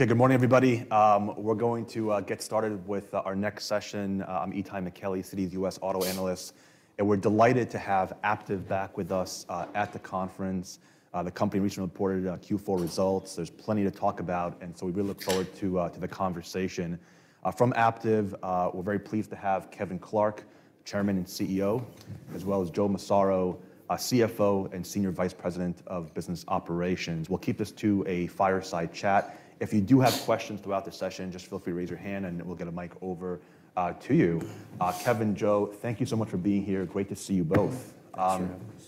Okay, good morning, everybody. We're going to get started with our next session. I'm Itay Michaeli, Citi's U.S. Auto Analyst, and we're delighted to have Aptiv back with us at the conference. The company recently reported Q4 results. There's plenty to talk about, and so we really look forward to the conversation. From Aptiv, we're very pleased to have Kevin Clark, Chairman and CEO, as well as Joe Massaro, CFO and Senior Vice President of Business Operations. We'll keep this to a fireside chat. If you do have questions throughout the session, just feel free to raise your hand, and we'll get a mic over to you. Kevin, Joe, thank you so much for being here. Great to see you both. Thank you, Itay.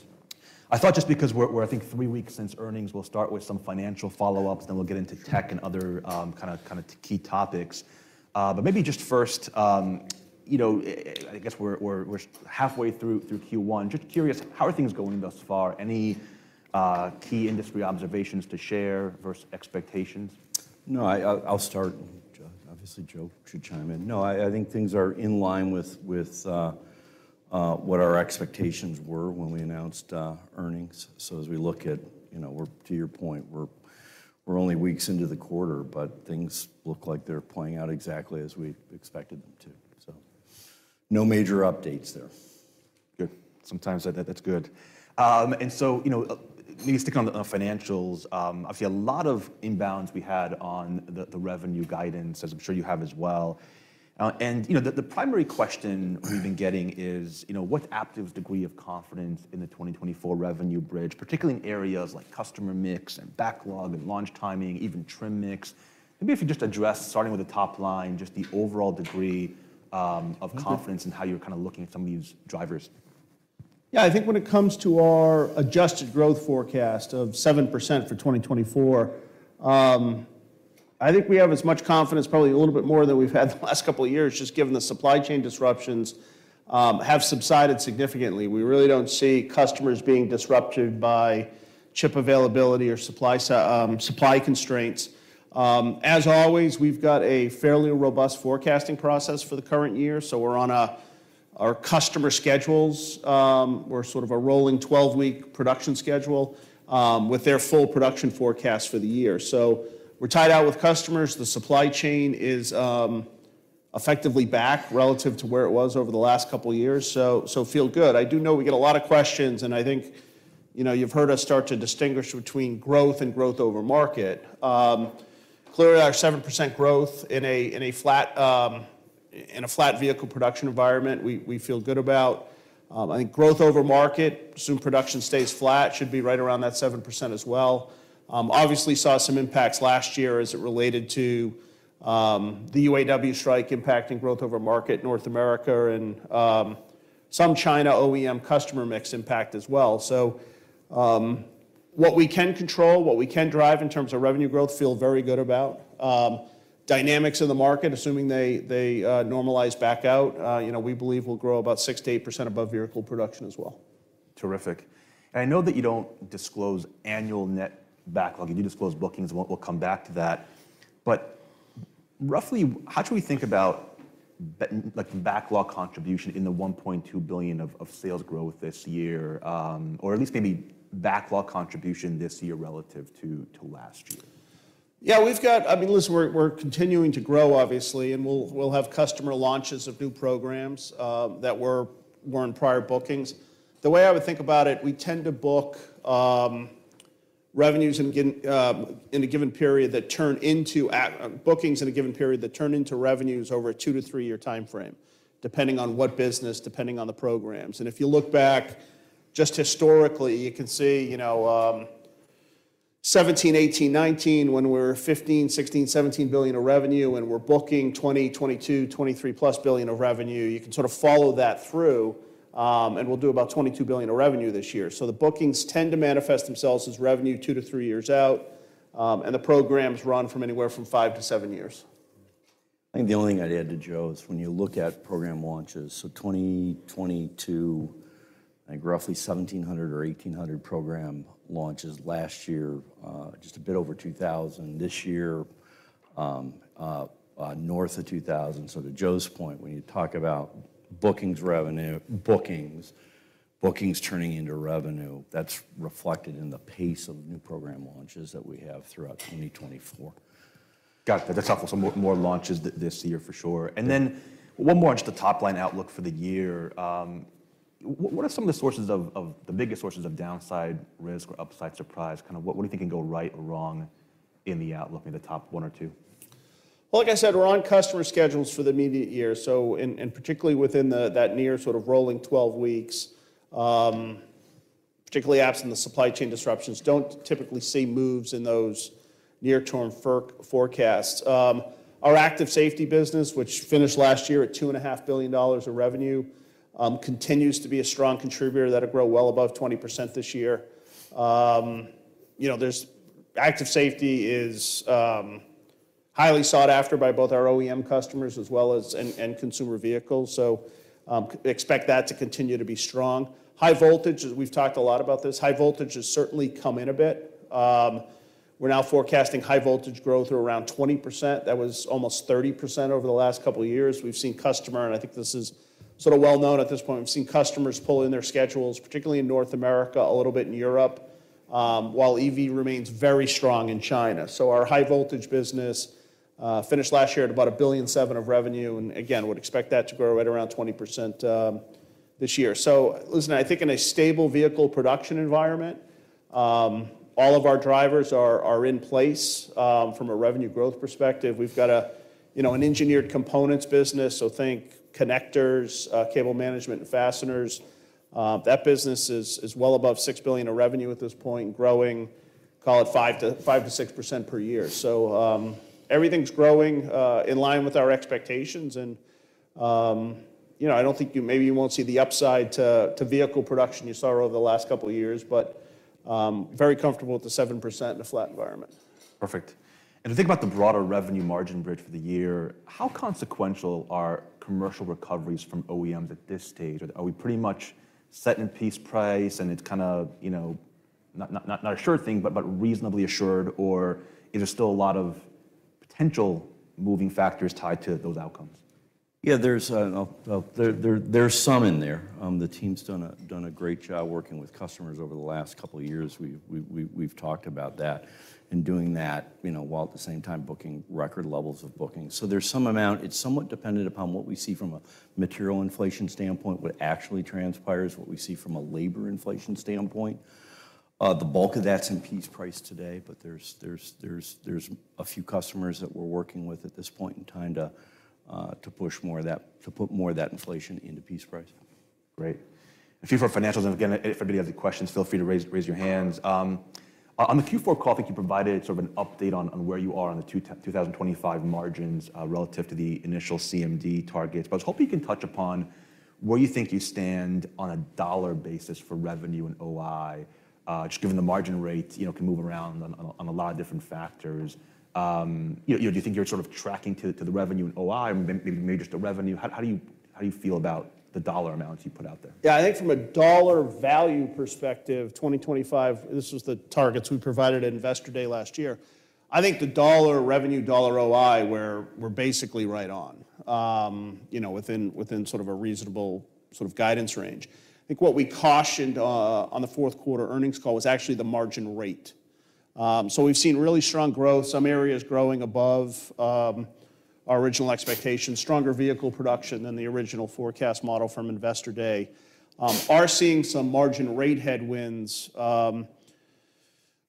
I thought just because we're three weeks since earnings, we'll start with some financial follow-ups, then we'll get into tech and other kinda key topics. But maybe just first, you know, I guess we're halfway through Q1. Just curious, how are things going thus far? Any key industry observations to share versus expectations? No, I'll start, and Joe, obviously, Joe should chime in. No, I think things are in line with what our expectations were when we announced earnings. So as we look at, you know, to your point, we're only weeks into the quarter, but things look like they're playing out exactly as we expected them to, so. No major updates there. Good. Sometimes that's good. And so, you know, maybe sticking on the financials, obviously, a lot of inbounds we had on the revenue guidance, as I'm sure you have as well. And, you know, the primary question we've been getting is, you know, what's Aptiv's degree of confidence in the 2024 revenue bridge, particularly in areas like customer mix and backlog and launch timing, even trim mix? Maybe if you just address, starting with the top line, just the overall degree of confidence and how you're kinda looking at some of these drivers. Yeah, I think when it comes to our adjusted growth forecast of 7% for 2024, I think we have as much confidence, probably a little bit more than we've had the last couple of years, just given the supply chain disruptions have subsided significantly. We really don't see customers being disrupted by chip availability or supply constraints. As always, we've got a fairly robust forecasting process for the current year, so we're on our customer schedules, we're sort of a rolling 12-week production schedule, with their full production forecast for the year. So we're tied out with customers. The supply chain is, effectively back relative to where it was over the last couple of years, so feel good. I do know we get a lot of questions, and I think, you know, you've heard us start to distinguish between growth and growth over market. Clearly, our 7% growth in a flat vehicle production environment, we feel good about. I think growth over market, assuming production stays flat, should be right around that 7% as well. Obviously, saw some impacts last year as it related to the UAW strike impacting growth over the market, North America, and some China OEM customer mix impact as well. So, what we can control, what we can drive in terms of revenue growth, feel very good about. Dynamics in the market, assuming they normalize back out, you know, we believe we'll grow about 6%-8% above vehicle production as well. Terrific. And I know that you don't disclose annual net backlog. You do disclose bookings. We'll, we'll come back to that. But roughly, how should we think about be like, backlog contribution in the $1.2 billion of, of sales growth this year, or at least maybe backlog contribution this year relative to, to last year? Yeah, we've got—I mean, listen, we're continuing to grow, obviously, and we'll have customer launches of new programs that were in prior bookings. The way I would think about it, we tend to book revenues in a given period that turn into bookings in a given period that turn into revenues over a two to three-year time frame, depending on what business, depending on the programs. And if you look back, just historically, you can see, you know, 2017, 2018, 2019, when we're $15 billion, $16 billion, $17 billion of revenue, and we're booking $20 billion, $22 billion, $23+ billion of revenue, you can sort of follow that through, and we'll do about $22 billion of revenue this year. So the bookings tend to manifest themselves as revenue two to three years out, and the programs run from anywhere from 5-7 years. I think the only thing I'd add to Joe is when you look at program launches, so 2022, I think roughly 1,700 or 1,800 program launches last year, just a bit over 2,000. This year, north of 2,000. So to Joe's point, when you talk about bookings revenue bookings, bookings turning into revenue, that's reflected in the pace of new program launches that we have throughout 2024. Got that. That's helpful. So more launches this year, for sure. And then one more just a top-line outlook for the year. What are some of the sources of the biggest sources of downside risk or upside surprise? Kind of what do you think can go right or wrong in the outlook, maybe the top one or two? Well, like I said, we're on customer schedules for the immediate year, so, particularly within that near sort of rolling 12 weeks, particularly as in the supply chain disruptions don't typically see moves in those near-term forward forecasts. Our Active Safety business, which finished last year at $2.5 billion of revenue, continues to be a strong contributor that'll grow well above 20% this year. You know, Active Safety is highly sought after by both our OEM customers as well as consumer vehicles, so, expect that to continue to be strong. High Voltage, as we've talked a lot about, High Voltage has certainly come in a bit. We're now forecasting High Voltage growth around 20%. That was almost 30% over the last couple of years. We've seen customer and I think this is sort of well-known at this point. We've seen customers pull in their schedules, particularly in North America, a little bit in Europe, while EV remains very strong in China. So our High Voltage business finished last year at about $1.7 billion of revenue, and again, would expect that to grow right around 20% this year. So listen, I think in a stable vehicle production environment, all of our drivers are in place, from a revenue growth perspective. We've got a, you know, an engineered components business, so think connectors, cable management and fasteners. That business is well above $6 billion of revenue at this point, growing, call it 5%-6% per year. Everything's growing in line with our expectations, and you know, I don't think maybe you won't see the upside to vehicle production you saw over the last couple of years, but very comfortable with the 7% in a flat environment. Perfect. And to think about the broader revenue margin bridge for the year, how consequential are commercial recoveries from OEMs at this stage? Are we pretty much set in piece price, and it's kind of, you know, not a sure thing, but reasonably assured, or is there still a lot of potential moving factors tied to those outcomes? Yeah, there's some in there. The team's done a great job working with customers over the last couple of years. We've talked about that and doing that, you know, while at the same time booking record levels of bookings. So there's some amount. It's somewhat dependent upon what we see from a material inflation standpoint, what actually transpires, what we see from a labor inflation standpoint. The bulk of that's in piece price today, but there's a few customers that we're working with at this point in time to push more of that to put more of that inflation into piece price. Great. And a few for financials. And again, if anybody has any questions, feel free to raise your hands. On the Q4 call, I think you provided sort of an update on where you are on the 2025 margins, relative to the initial CMD targets. But I was hoping you can touch upon where you think you stand on a dollar basis for revenue and OI, just given the margin rate, you know, can move around on a lot of different factors. You know, do you think you're sort of tracking to the revenue and OI, maybe just the revenue? How do you feel about the dollar amounts you put out there? Yeah, I think from a dollar value perspective, 2025, this was the targets we provided at Investor Day last year. I think the dollar revenue, dollar OI, we're, we're basically right on, you know, within, within sort of a reasonable sort of guidance range. I think what we cautioned, on the fourth quarter earnings call was actually the margin rate. So we've seen really strong growth, some areas growing above, our original expectations, stronger vehicle production than the original forecast model from Investor Day. We are seeing some margin rate headwinds,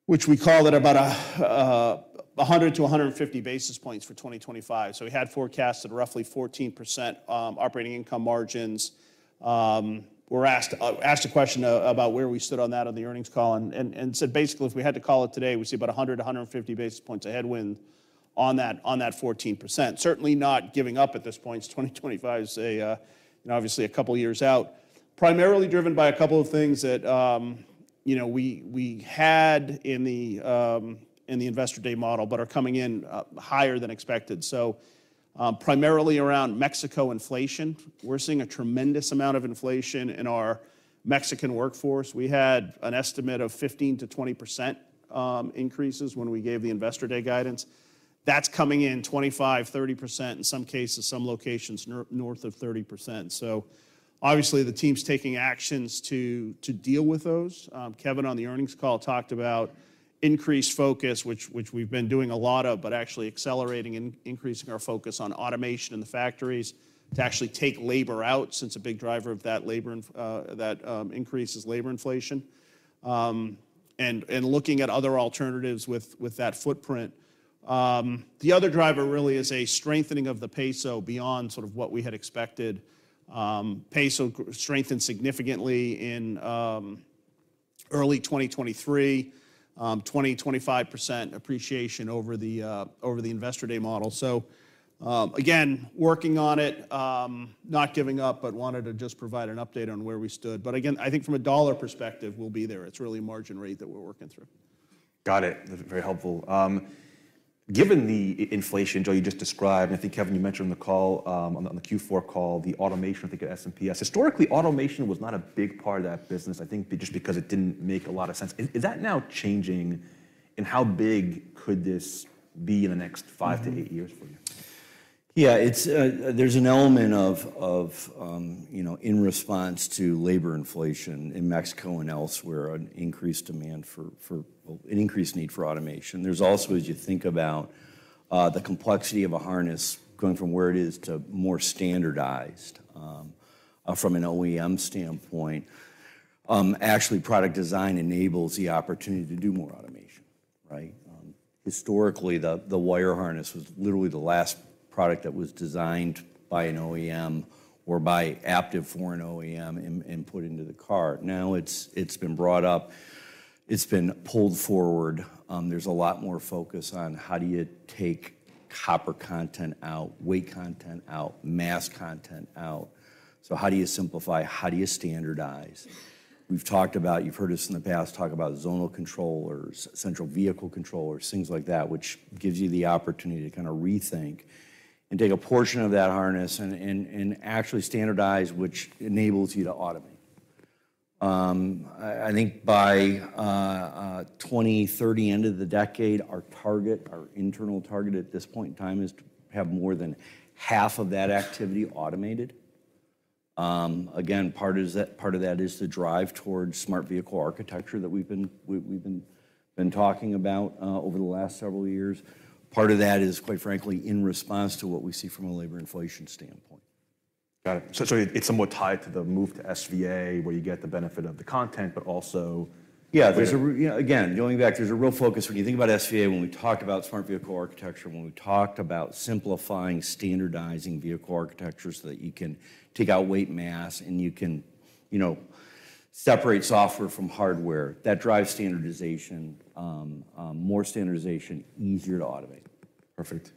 which we call at about a 100-150 basis points for 2025. So we had forecasted roughly 14% operating income margins. We were asked a question about where we stood on that on the earnings call and said, basically, if we had to call it today, we see about 100-150 basis points of headwind on that 14%. Certainly not giving up at this point. 2025 is, you know, obviously a couple of years out, primarily driven by a couple of things that, you know, we had in the Investor Day model but are coming in higher than expected. So, primarily around Mexico inflation, we're seeing a tremendous amount of inflation in our Mexican workforce. We had an estimate of 15%-20% increases when we gave the Investor Day guidance. That's coming in 25, 30%, in some cases, some locations, north of 30%. So obviously, the team's taking actions to deal with those. Kevin on the earnings call talked about increased focus, which we've been doing a lot of but actually accelerating and increasing our focus on automation in the factories to actually take labor out since a big driver of that labor inflation that increases labor inflation, and looking at other alternatives with that footprint. The other driver really is a strengthening of the peso beyond sort of what we had expected. Peso strengthened significantly in early 2023, 25% appreciation over the Investor Day model. So, again, working on it, not giving up, but wanted to just provide an update on where we stood. But again, I think from a dollar perspective, we'll be there. It's really a margin rate that we're working through. Got it. That's very helpful. Given the inflation, Joe, you just described, and I think, Kevin, you mentioned on the call, on the Q4 call, the automation, I think, at S&PS. Historically, automation was not a big part of that business, I think, just because it didn't make a lot of sense. Is that now changing, and how big could this be in the next five to eight years for you? Yeah, it's, there's an element of, you know, in response to labor inflation in Mexico and elsewhere, an increased demand for well, an increased need for automation. There's also, as you think about, the complexity of a harness going from where it is to more standardized, from an OEM standpoint. Actually, product design enables the opportunity to do more automation, right? Historically, the wire harness was literally the last product that was designed by an OEM or by Aptiv for an OEM and put into the car. Now it's been brought up, it's been pulled forward. There's a lot more focus on how do you take copper content out, weight content out, mass content out. So how do you simplify? How do you standardize? We've talked about. You've heard us in the past talk about Zonal Controllers, Central Vehicle Controllers, things like that, which gives you the opportunity to kind of rethink and take a portion of that harness and actually standardize, which enables you to automate. I think by 2030, end of the decade, our target, our internal target at this point in time is to have more than half of that activity automated. Part of that is to drive towards Smart Vehicle Architecture that we've been talking about over the last several years. Part of that is, quite frankly, in response to what we see from a labor inflation standpoint. Got it. So it's somewhat tied to the move to SVA, where you get the benefit of the content, but also yeah, there's a, you know, again, going back, there's a real focus when you think about SVA, when we talked about Smart Vehicle Architecture, when we talked about simplifying, standardizing vehicle architectures so that you can take out weight, mass, and you can, you know, separate software from hardware. That drives standardization, more standardization, easier to automate. Perfect.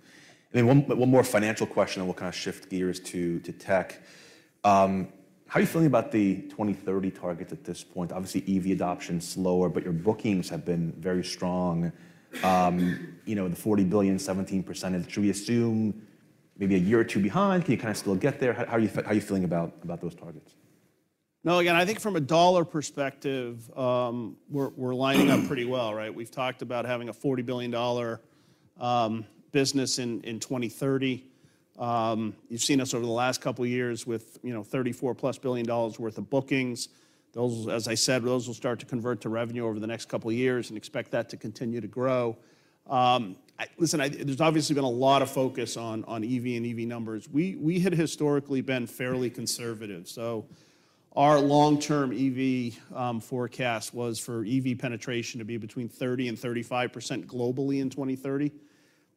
And then one more financial question, and we'll kind of shift gears to tech. How are you feeling about the 2030 targets at this point? Obviously, EV adoption's slower, but your bookings have been very strong. You know, the $40 billion, 17%, should we assume maybe a year or two behind? Can you kind of still get there? How are you feeling about those targets? No, again, I think from a dollar perspective, we're lining up pretty well, right? We've talked about having a $40 billion business in 2030. You've seen us over the last couple of years with, you know, $34+ billion worth of bookings. Those, as I said, will start to convert to revenue over the next couple of years, and expect that to continue to grow. I think there's obviously been a lot of focus on EV and EV numbers. We had historically been fairly conservative. So our long-term EV forecast was for EV penetration to be between 30%-35% globally in 2030.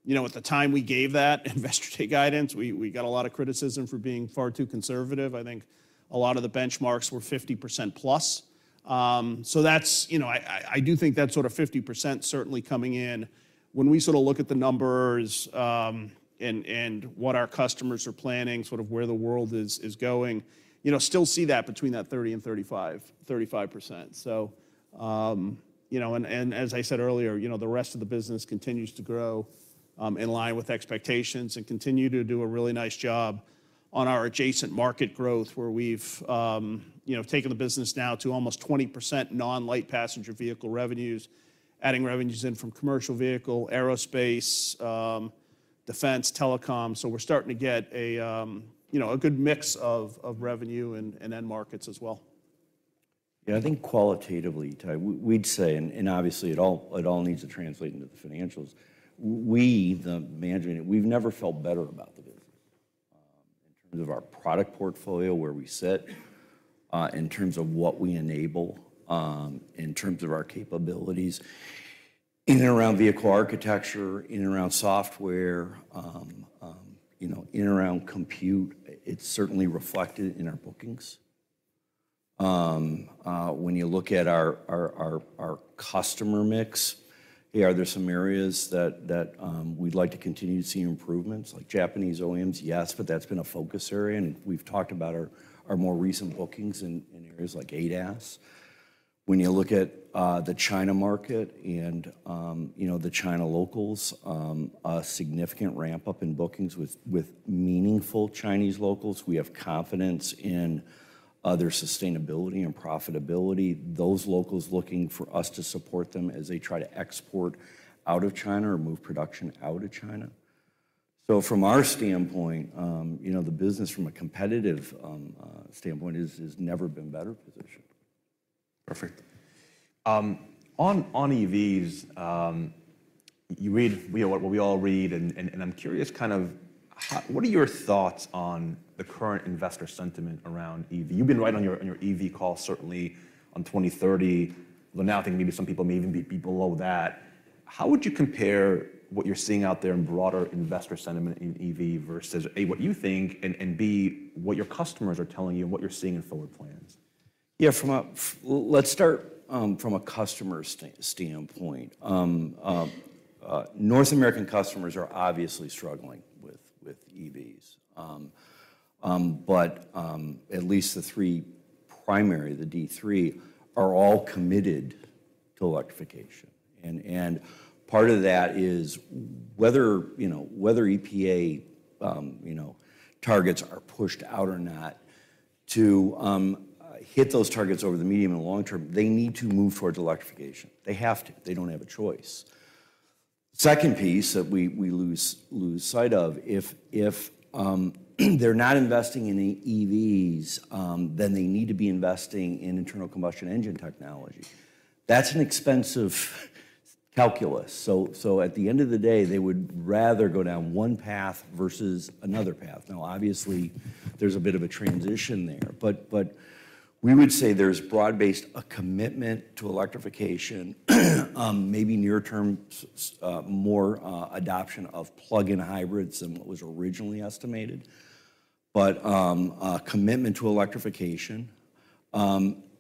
You know, at the time we gave that Investor Day guidance, we got a lot of criticism for being far too conservative. I think a lot of the benchmarks were 50%+. So that's, you know, I do think that sort of 50% certainly coming in when we sort of look at the numbers, and what our customers are planning, sort of where the world is going, you know, still see that between 30% and 35%. So, you know, as I said earlier, you know, the rest of the business continues to grow, in line with expectations and continue to do a really nice job on our adjacent market growth, where we've, you know, taken the business now to almost 20% non-light passenger vehicle revenues, adding revenues in from commercial vehicle, aerospace, defense, telecom. So we're starting to get a, you know, a good mix of revenue in end markets as well. Yeah, I think qualitatively, Itay, we'd say, and obviously, it all needs to translate into the financials. We, the management, we've never felt better about the business, in terms of our product portfolio, where we sit, in terms of what we enable, in terms of our capabilities in and around vehicle architecture, in and around software, you know, in and around compute. It's certainly reflected in our bookings. When you look at our customer mix, hey, are there some areas that we'd like to continue to see improvements? Like Japanese OEMs, yes, but that's been a focus area. And we've talked about our more recent bookings in areas like ADAS. When you look at the China market and, you know, the China locals, a significant ramp-up in bookings with meaningful Chinese locals. We have confidence in their sustainability and profitability. Those locals looking for us to support them as they try to export out of China or move production out of China. So from our standpoint, you know, the business from a competitive standpoint is never been better positioned. Perfect. On EVs, you read what we all read, and I'm curious kind of how. What are your thoughts on the current investor sentiment around EV? You've been right on your EV call, certainly on 2030, although now I think maybe some people may even be below that. How would you compare what you're seeing out there in broader investor sentiment in EV versus A, what you think, and B, what your customers are telling you and what you're seeing in forward plans? Yeah, let's start from a customer standpoint. North American customers are obviously struggling with EVs. But at least the three primary, the D3, are all committed to electrification. And part of that is whether, you know, whether EPA targets are pushed out or not to hit those targets over the medium and long term, they need to move towards electrification. They have to. They don't have a choice. Second piece that we lose sight of, if they're not investing in the EVs, then they need to be investing in internal combustion engine technology. That's an expensive calculus. So at the end of the day, they would rather go down one path versus another path. Now, obviously, there's a bit of a transition there, but we would say there's broad-based commitment to electrification, maybe near-term is more adoption of plug-in hybrids than what was originally estimated, but commitment to electrification.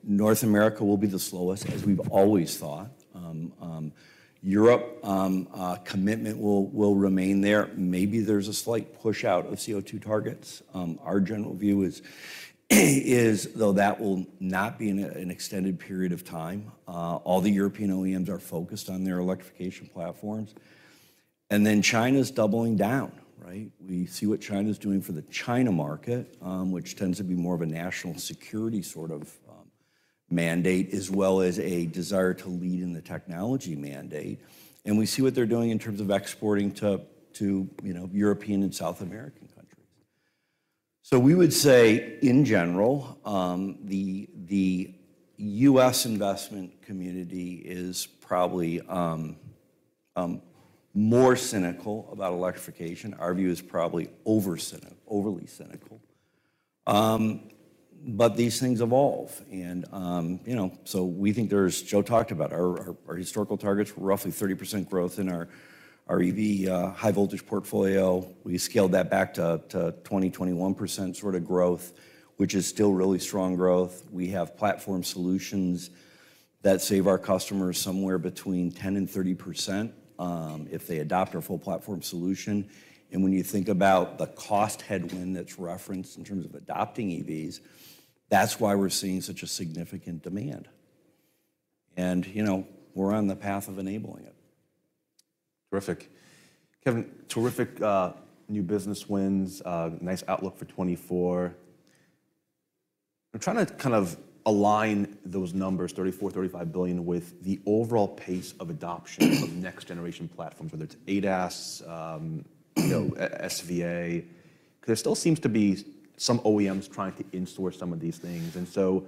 North America will be the slowest, as we've always thought. Europe, commitment will remain there. Maybe there's a slight push out of CO2 targets. Our general view is, though, that will not be in an extended period of time; all the European OEMs are focused on their electrification platforms. And then China's doubling down, right? We see what China's doing for the China market, which tends to be more of a national security sort of mandate as well as a desire to lead in the technology mandate. And we see what they're doing in terms of exporting to, you know, European and South American countries. So we would say, in general, the U.S. investment community is probably more cynical about electrification. Our view is probably overly cynical, but these things evolve. And, you know, so we think there's Joe talked about our historical targets. We're roughly 30% growth in our EV, high-voltage portfolio. We scaled that back to 20%-21% sort of growth, which is still really strong growth. We have platform solutions that save our customers somewhere between 10%-30%, if they adopt our full platform solution. And when you think about the cost headwind that's referenced in terms of adopting EVs, that's why we're seeing such a significant demand. And, you know, we're on the path of enabling it. Terrific. Kevin, terrific, new business wins, nice outlook for 2024. I'm trying to kind of align those numbers, $34 billion-$35 billion, with the overall pace of adoption of next-generation platforms, whether it's ADAS, you know, SVA, because there still seems to be some OEMs trying to in-source some of these things. And so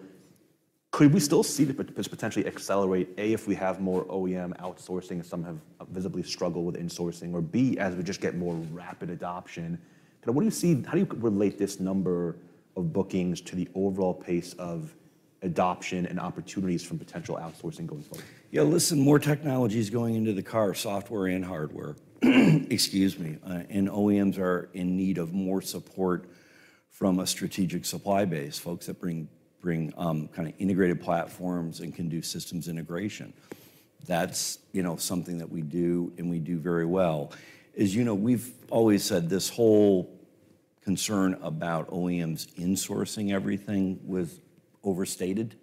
could we still see this potentially accelerate, A, if we have more OEM outsourcing and some have visibly struggled with in-sourcing, or B, as we just get more rapid adoption? Kind of what do you see how do you relate this number of bookings to the overall pace of adoption and opportunities from potential outsourcing going forward? Yeah, listen, more technology's going into the car, software and hardware, excuse me, and OEMs are in need of more support from a strategic supply base, folks that bring kind of integrated platforms and can do systems integration. That's, you know, something that we do, and we do very well. As, you know, we've always said, this whole concern about OEMs in-sourcing everything was overstated.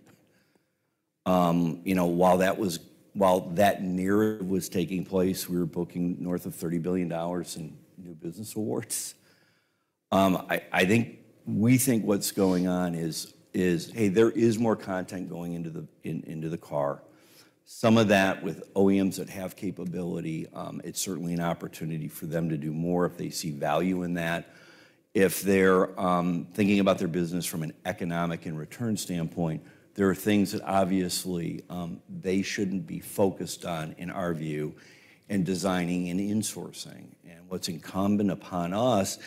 You know, while that narrative was taking place, we were booking north of $30 billion in new business awards. I think we think what's going on is, hey, there is more content going into the into the car. Some of that with OEMs that have capability, it's certainly an opportunity for them to do more if they see value in that. If they're thinking about their business from an economic and return standpoint, there are things that obviously they shouldn't be focused on, in our view, in designing and insourcing. And what's incumbent upon us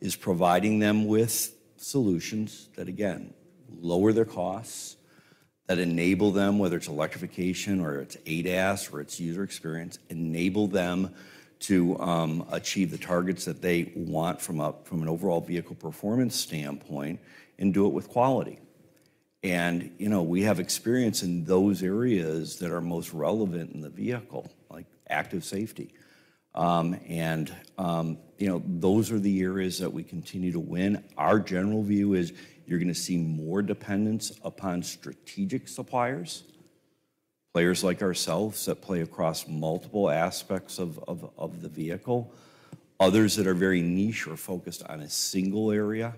is providing them with solutions that, again, lower their costs, that enable them, whether it's electrification or it's ADAS or it's User Experience, enable them to achieve the targets that they want from an overall vehicle performance standpoint and do it with quality. And, you know, we have experience in those areas that are most relevant in the vehicle, like Active Safety. And, you know, those are the areas that we continue to win. Our general view is you're going to see more dependence upon strategic suppliers, players like ourselves that play across multiple aspects of the vehicle, others that are very niche or focused on a single area,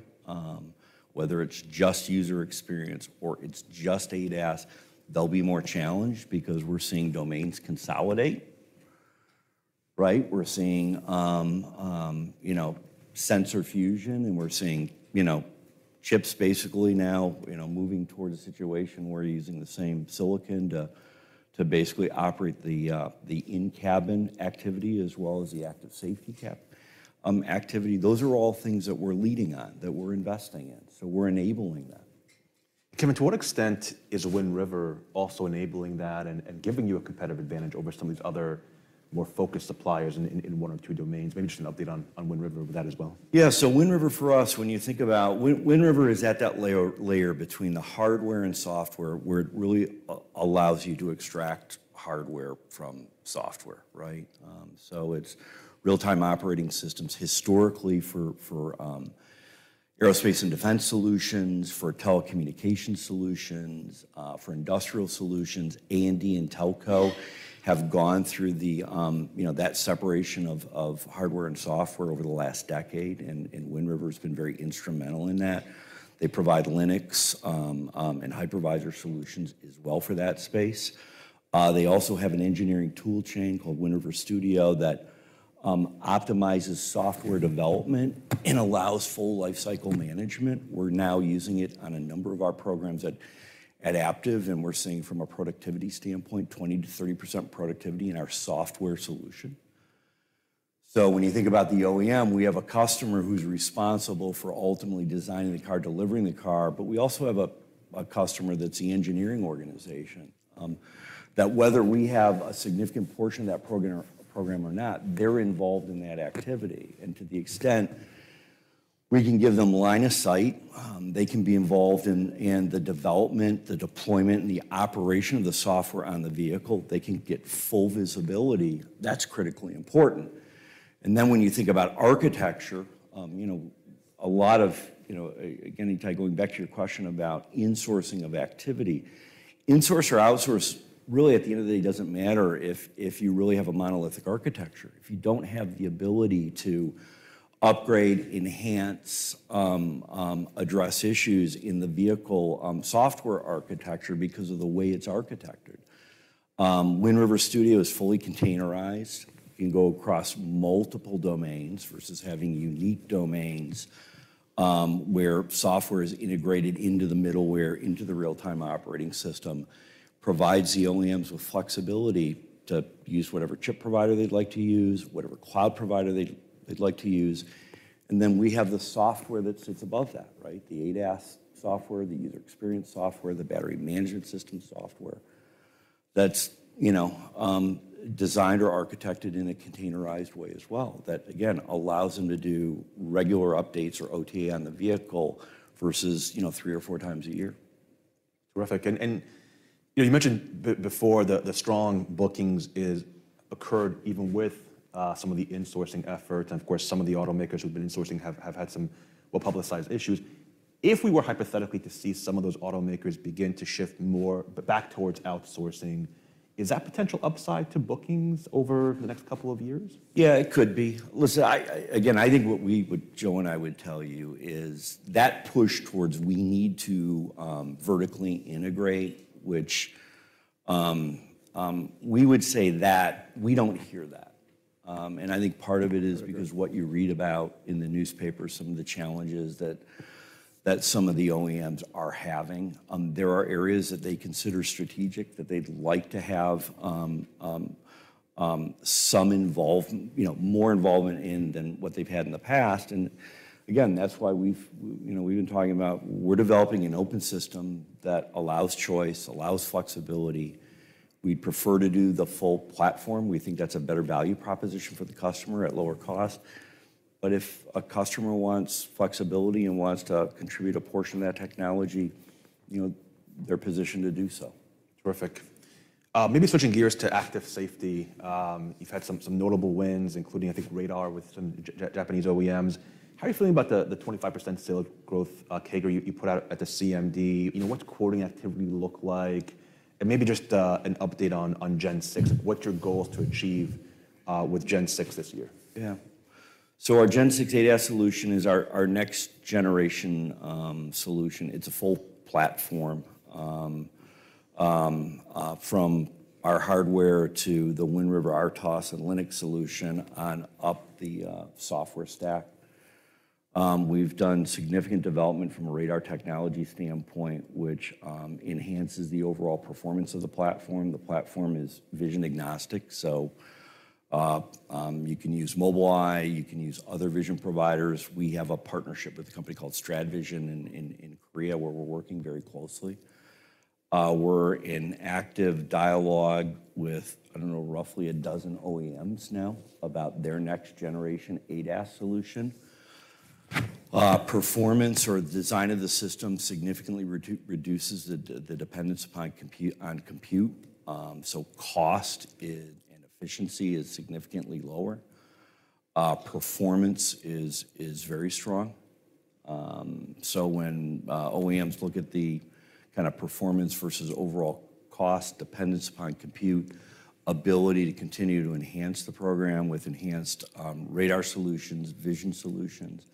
whether it's just User Experience or it's just ADAS. They'll be more challenged because we're seeing domains consolidate, right? We're seeing, you know, sensor fusion, and we're seeing, you know, chips basically now, you know, moving towards a situation where you're using the same silicon to basically operate the in-cabin activity as well as the Active Safety capability. Those are all things that we're leading on, that we're investing in. So we're enabling that. Kevin, to what extent is Wind River also enabling that and, and giving you a competitive advantage over some of these other more focused suppliers in, in one or two domains? Maybe just an update on, on Wind River with that as well. Yeah, so Wind River for us, when you think about Wind River is at that layer between the hardware and software where it really allows you to extract hardware from software, right? So it's real-time operating systems historically for aerospace and defense solutions, for telecommunication solutions, for industrial solutions. A&D and telco have gone through the, you know, that separation of hardware and software over the last decade, and Wind River's been very instrumental in that. They provide Linux and hypervisor solutions as well for that space. They also have an engineering toolchain called Wind River Studio that optimizes software development and allows full lifecycle management. We're now using it on a number of our programs at Aptiv, and we're seeing from a productivity standpoint 20%-30% productivity in our software solution. So when you think about the OEM, we have a customer who's responsible for ultimately designing the car, delivering the car, but we also have a customer that's the engineering organization, that whether we have a significant portion of that program or not, they're involved in that activity. And to the extent we can give them line of sight, they can be involved in the development, the deployment, and the operation of the software on the vehicle. They can get full visibility. That's critically important. And then when you think about architecture, you know, a lot of, you know, again, Itay, going back to your question about in-sourcing of activity, in-source or outsource, really, at the end of the day, doesn't matter if you really have a monolithic architecture. If you don't have the ability to upgrade, enhance, address issues in the vehicle, software architecture because of the way it's architected, Wind River Studio is fully containerized, can go across multiple domains versus having unique domains, where software is integrated into the middleware, into the real-time operating system, provides the OEMs with flexibility to use whatever chip provider they'd like to use, whatever cloud provider they, they'd like to use. And then we have the software that sits above that, right? The ADAS software, the User Experience software, the battery management system software that's, you know, designed or architected in a containerized way as well that, again, allows them to do regular updates or OTA on the vehicle versus, you know, three or four times a year. Terrific. And you know, you mentioned before the strong bookings is occurred even with some of the insourcing efforts. And of course, some of the automakers who've been insourcing have had some well-publicized issues. If we were hypothetically to see some of those automakers begin to shift more back towards outsourcing, is that potential upside to bookings over the next couple of years? Yeah, it could be. Listen, I again, I think what we would, Joe and I, would tell you is that push towards we need to vertically integrate, which we would say that we don't hear that. And I think part of it is because what you read about in the newspaper, some of the challenges that some of the OEMs are having, there are areas that they consider strategic that they'd like to have some involvement, you know, more involvement in than what they've had in the past. And again, that's why we've, you know, we've been talking about we're developing an open system that allows choice, allows flexibility. We'd prefer to do the full platform. We think that's a better value proposition for the customer at lower cost. But if a customer wants flexibility and wants to contribute a portion of that technology, you know, they're positioned to do so. Terrific. Maybe switching gears to Active Safety. You've had some notable wins, including, I think, radar with some Japanese OEMs. How are you feeling about the 25% sales growth that you put out at the CMD? You know, what's quoting activity look like? And maybe just an update on Gen 6, what's your goals to achieve with Gen 6 this year? Yeah. So our Gen 6 ADAS solution is our next-generation solution. It's a full platform, from our hardware to the Wind River RTOS and Linux solution on up the software stack. We've done significant development from a radar technology standpoint, which enhances the overall performance of the platform. The platform is vision-agnostic, so you can use Mobileye. You can use other vision providers. We have a partnership with a company called StradVision in Korea where we're working very closely. We're in active dialogue with, I don't know, roughly a dozen OEMs now about their next-generation ADAS solution. Performance or design of the system significantly reduces the dependence upon compute. So cost is and efficiency is significantly lower. Performance is very strong. So when OEMs look at the kind of performance versus overall cost, dependence upon compute, ability to continue to enhance the program with enhanced radar solutions, vision solutions,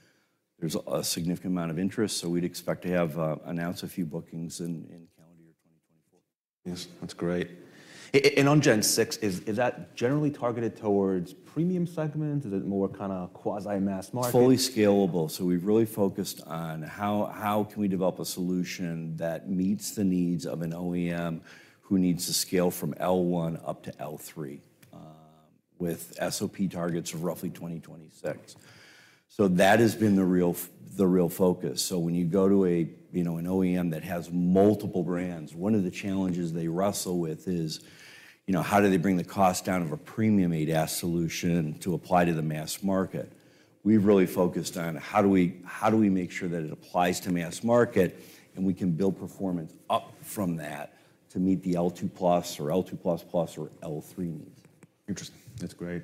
there's a significant amount of interest. So we'd expect to announce a few bookings in calendar year 2024. Yes, that's great. And on Gen 6, is that generally targeted towards premium segments? Is it more kind of quasi-mass market? Fully scalable. So we've really focused on how, how can we develop a solution that meets the needs of an OEM who needs to scale from L1 up to L3, with SOP targets of roughly 2026. So that has been the real focus. So when you go to a, you know, an OEM that has multiple brands, one of the challenges they wrestle with is, you know, how do they bring the cost down of a premium ADAS solution to apply to the mass market? We've really focused on how do we how do we make sure that it applies to mass market and we can build performance up from that to meet the L2+ or L2++ or L3 needs. Interesting. That's great.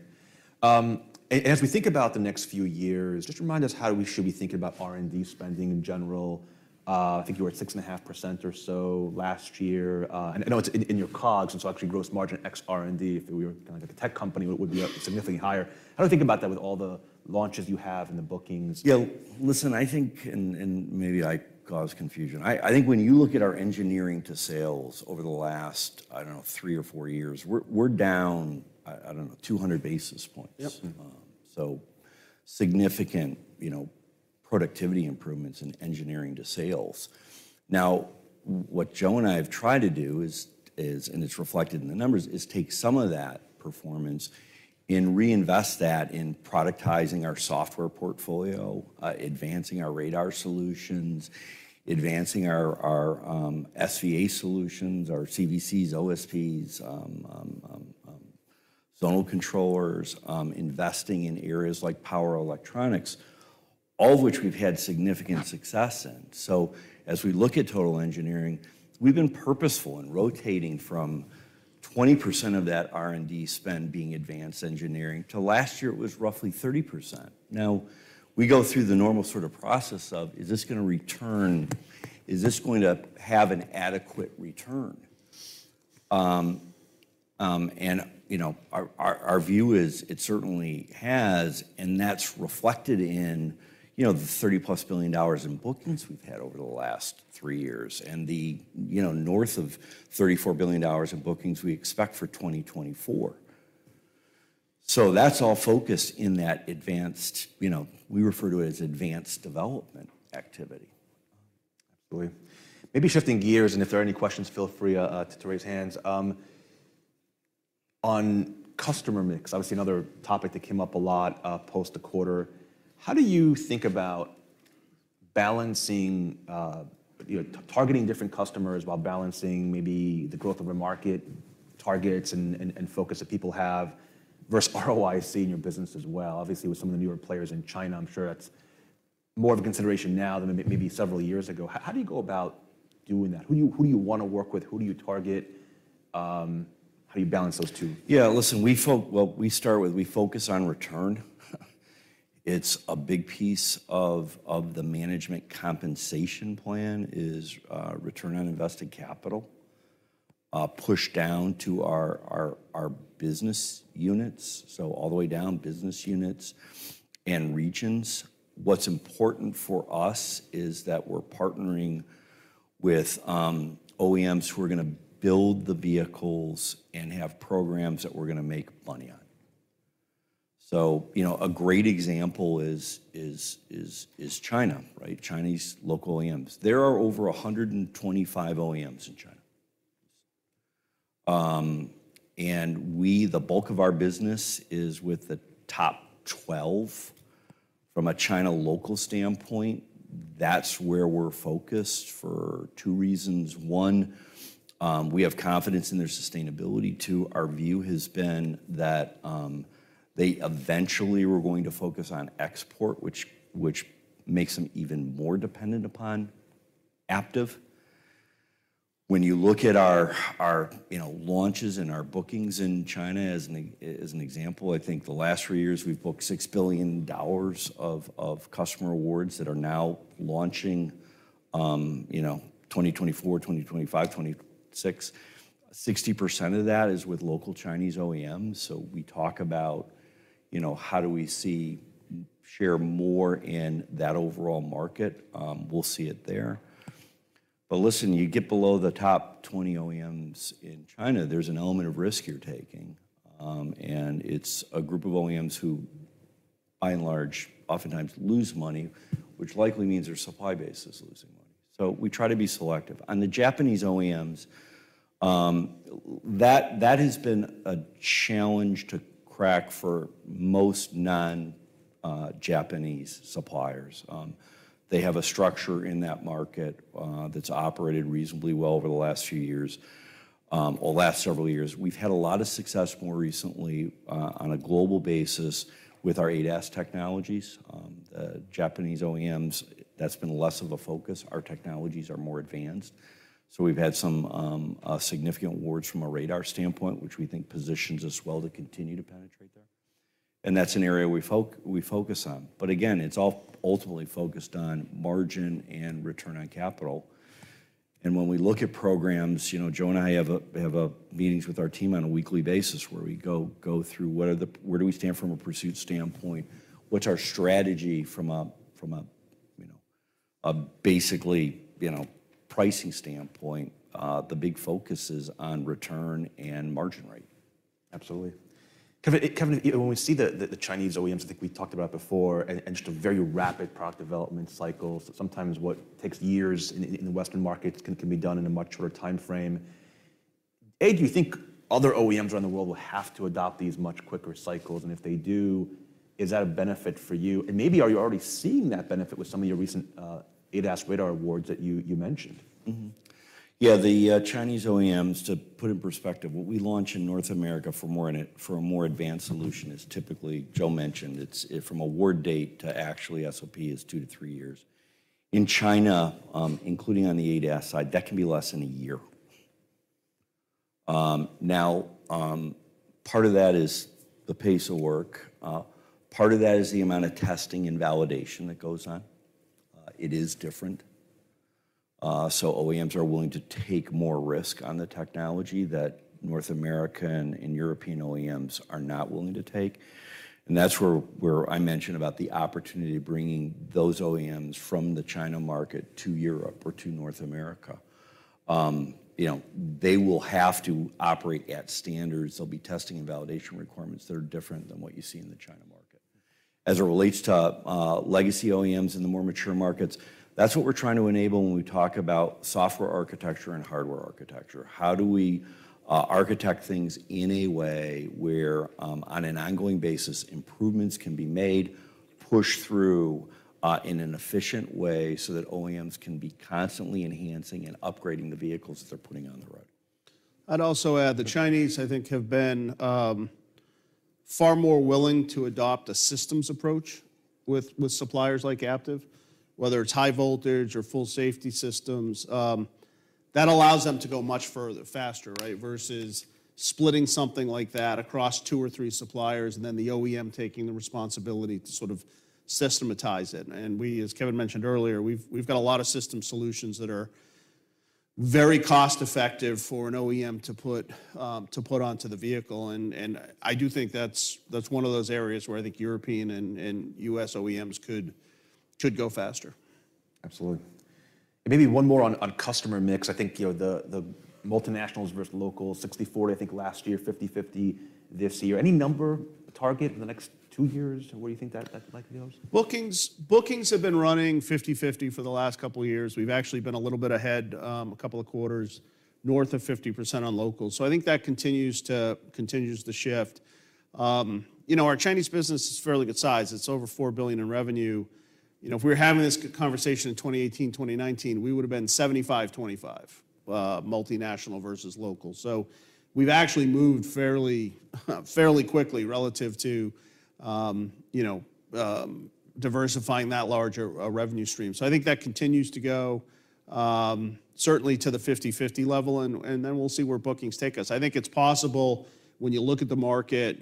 And as we think about the next few years, just remind us how should we think about R&D spending in general? I think you were at 6.5% or so last year. And I know it's in your COGS, and so actually gross margin ex R&D, if we were kind of like a tech company, it would be significantly higher. How do we think about that with all the launches you have and the bookings? Yeah, listen, I think, and maybe I cause confusion. I think when you look at our engineering to sales over the last, I don't know, three or four years, we're down, I don't know, 200 basis points. Yep. So significant, you know, productivity improvements in engineering to sales. Now, what Joe and I have tried to do is and it's reflected in the numbers, is take some of that performance and reinvest that in productizing our software portfolio, advancing our radar solutions, advancing our SVA solutions, our CVCs, OSPs, Zonal Controllers, investing in areas like power electronics, all of which we've had significant success in. So as we look at total engineering, we've been purposeful in rotating from 20% of that R&D spend being advanced engineering to last year, it was roughly 30%. Now, we go through the normal sort of process of, is this going to return? Is this going to have an adequate return? You know, our view is it certainly has, and that's reflected in, you know, the $30+ billion in bookings we've had over the last three years and the, you know, north of $34 billion in bookings we expect for 2024. So that's all focused in that advanced, you know, we refer to it as advanced development activity. Absolutely. Maybe shifting gears, and if there are any questions, feel free to raise hands. On customer mix, obviously another topic that came up a lot, post the quarter. How do you think about balancing, you know, targeting different customers while balancing maybe the growth of the market targets and focus that people have versus ROIC in your business as well? Obviously, with some of the newer players in China, I'm sure that's more of a consideration now than maybe several years ago. How do you go about doing that? Who do you want to work with? Who do you target? How do you balance those two? Yeah, listen, we, well, we start with. We focus on return. It's a big piece of the management compensation plan is return on invested capital, pushed down to our business units, so all the way down, business units and regions. What's important for us is that we're partnering with OEMs who are going to build the vehicles and have programs that we're going to make money on. So, you know, a great example is China, right? Chinese local OEMs. There are over 125 OEMs in China, and we, the bulk of our business is with the top 12. From a China local standpoint, that's where we're focused for two reasons. One, we have confidence in their sustainability. Two, our view has been that they eventually were going to focus on export, which makes them even more dependent upon Aptiv. When you look at our you know launches and our bookings in China as an example, I think the last three years we've booked $6 billion of customer awards that are now launching you know 2024, 2025, 2026. 60% of that is with local Chinese OEMs. So we talk about you know how do we see share more in that overall market? We'll see it there. But listen, you get below the top 20 OEMs in China, there's an element of risk you're taking. And it's a group of OEMs who by and large oftentimes lose money, which likely means their supply base is losing money. So we try to be selective. On the Japanese OEMs, that has been a challenge to crack for most non-Japanese suppliers. They have a structure in that market, that's operated reasonably well over the last few years, or last several years. We've had a lot of success more recently, on a global basis with our ADAS technologies. The Japanese OEMs, that's been less of a focus. Our technologies are more advanced. So we've had some significant awards from a radar standpoint, which we think positions us well to continue to penetrate there. And that's an area we focus on. But again, it's all ultimately focused on margin and return on capital. And when we look at programs, you know, Joe and I have meetings with our team on a weekly basis where we go through what, where do we stand from a pursuit standpoint? What's our strategy from a, you know, basically, you know, pricing standpoint? The big focus is on return and margin rate. Absolutely. Kevin, Kevin, when we see the Chinese OEMs, I think we talked about it before, and just a very rapid product development cycle. Sometimes what takes years in the Western markets can be done in a much shorter time frame. Do you think other OEMs around the world will have to adopt these much quicker cycles? And if they do, is that a benefit for you? And maybe are you already seeing that benefit with some of your recent ADAS radar awards that you mentioned? Yeah, the Chinese OEMs, to put in perspective, what we launch in North America for a more advanced solution is typically, Joe mentioned, it's from award date to actually SOP is two to three years. In China, including on the ADAS side, that can be less than a year. Now, part of that is the pace of work. Part of that is the amount of testing and validation that goes on. It is different. So OEMs are willing to take more risk on the technology that North American and European OEMs are not willing to take. And that's where I mentioned about the opportunity of bringing those OEMs from the China market to Europe or to North America. You know, they will have to operate at standards. There'll be testing and validation requirements that are different than what you see in the China market. As it relates to legacy OEMs in the more mature markets, that's what we're trying to enable when we talk about software architecture and hardware architecture. How do we architect things in a way where, on an ongoing basis, improvements can be made, pushed through, in an efficient way so that OEMs can be constantly enhancing and upgrading the vehicles that they're putting on the road? I'd also add the Chinese, I think, have been far more willing to adopt a systems approach with suppliers like Aptiv, whether it's High Voltage or full safety systems. That allows them to go much further, faster, right, versus splitting something like that across two or three suppliers and then the OEM taking the responsibility to sort of systematize it. And we, as Kevin mentioned earlier, we've got a lot of system solutions that are very cost-effective for an OEM to put onto the vehicle. And I do think that's one of those areas where I think European and US OEMs could go faster. Absolutely. And maybe one more on, on customer mix. I think, you know, the, the multinationals versus local, 60/40, I think last year, 50/50 this year. Any number target for the next two years? Where do you think that, that likely goes? Bookings, bookings have been running 50/50 for the last couple of years. We've actually been a little bit ahead, a couple of quarters, north of 50% on local. So I think that continues to continue the shift. You know, our Chinese business is fairly good size. It's over $4 billion in revenue. You know, if we were having this conversation in 2018, 2019, we would have been 75/25, multinational versus local. So we've actually moved fairly quickly relative to, you know, diversifying that larger revenue stream. So I think that continues to go, certainly to the 50/50 level. And then we'll see where bookings take us. I think it's possible when you look at the market,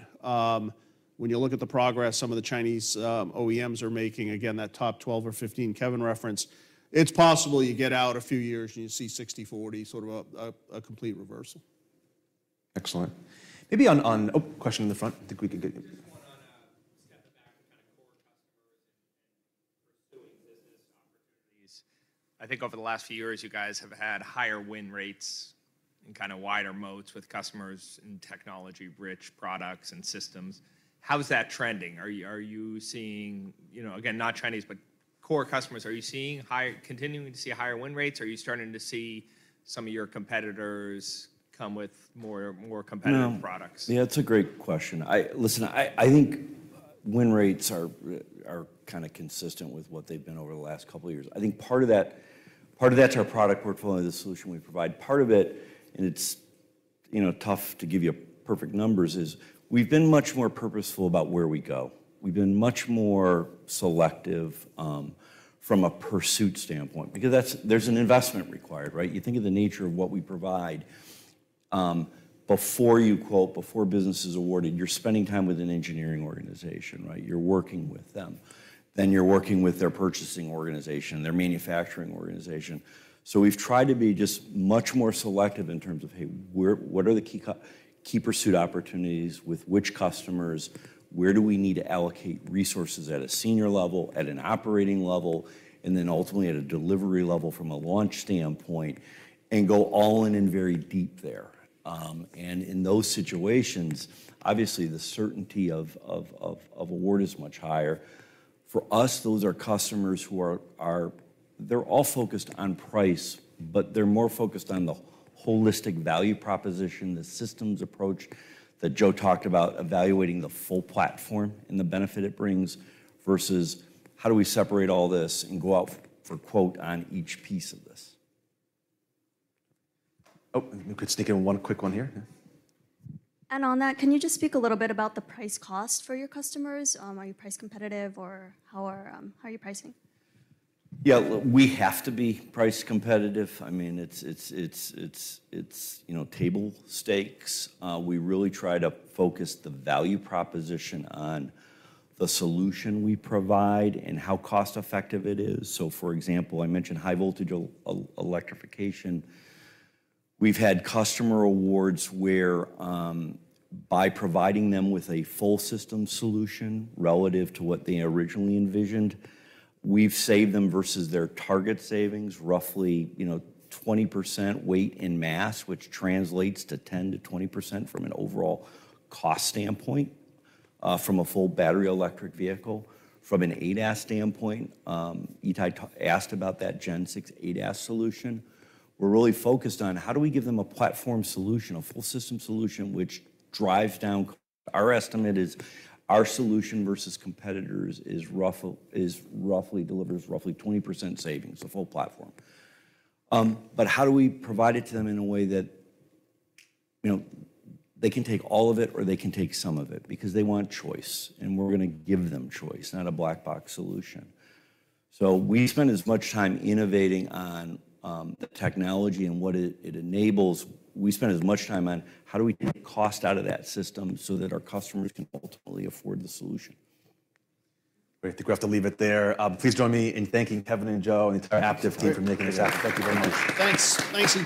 when you look at the progress some of the Chinese OEMs are making, again, that top 12 or 15 Kevin referenced. It's possible you get out a few years and you see 60/40, sort of a complete reversal. Excellent. Maybe one question in the front. I think we could get you. Just one on, step it back to kind of core customers and pursuing business opportunities. I think over the last few years, you guys have had higher win rates in kind of wider moats with customers in technology-rich products and systems. How's that trending? Are you seeing, you know, again, not Chinese, but core customers, are you seeing higher continuing to see higher win rates? Are you starting to see some of your competitors come with more competitive products? No. Yeah, that's a great question. Listen, I think win rates are kind of consistent with what they've been over the last couple of years. I think part of that that's our product portfolio, the solution we provide. Part of it, and it's, you know, tough to give you perfect numbers, is we've been much more purposeful about where we go. We've been much more selective, from a pursuit standpoint because there's an investment required, right? You think of the nature of what we provide. Before you quote, before business is awarded, you're spending time with an engineering organization, right? You're working with them. Then you're working with their purchasing organization, their manufacturing organization. So we've tried to be just much more selective in terms of, hey, where what are the key pursuit opportunities with which customers? Where do we need to allocate resources at a senior level, at an operating level, and then ultimately at a delivery level from a launch standpoint and go all in and very deep there? In those situations, obviously, the certainty of an award is much higher. For us, those are customers who are they're all focused on price, but they're more focused on the holistic value proposition, the systems approach that Joe talked about, evaluating the full platform and the benefit it brings, versus how do we separate all this and go out for a quote on each piece of this? Oh, you could sneak in one quick one here. Yeah. On that, can you just speak a little bit about the price cost for your customers? Are you price competitive or how are you pricing? Yeah, we have to be price competitive. I mean, it's, you know, table stakes. We really try to focus the value proposition on the solution we provide and how cost-effective it is. So for example, I mentioned high-voltage electrification. We've had customer awards where, by providing them with a full system solution relative to what they originally envisioned, we've saved them versus their target savings, roughly, you know, 20% weight in mass, which translates to 10%-20% from an overall cost standpoint, from a full battery electric vehicle. From an ADAS standpoint, Itay asked about that Gen 6 ADAS solution. We're really focused on how do we give them a platform solution, a full system solution, which drives down. Our estimate is our solution versus competitors roughly delivers roughly 20% savings, a full platform. But how do we provide it to them in a way that, you know, they can take all of it or they can take some of it because they want choice, and we're going to give them choice, not a black box solution. So we spend as much time innovating on the technology and what it enables. We spend as much time on how do we take cost out of that system so that our customers can ultimately afford the solution. Great. I think we have to leave it there. Please join me in thanking Kevin and Joe and the entire Aptiv team for making this happen. Thank you very much. Thanks.